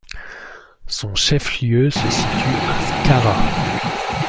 Son chef-lieu se situe à Skara.